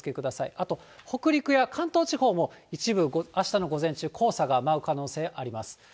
あと北陸や関東地方も、一部、あしたの午前中、黄砂が舞う可能性、あります。